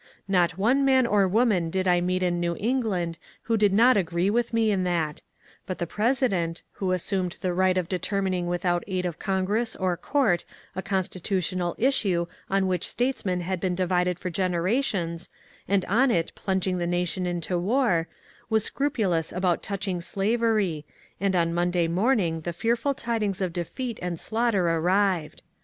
Not one man or woman did I meet in New England who did not agree with me in that ; but the President, who assumed the right of determining without aid of Congress or court a constitutional issue on which states men had been divided for generations, and on it plunging the nation into war, was scrupulous about touching slavery, and on Monday morning the fearful tidings of defeat and slaughter arrived.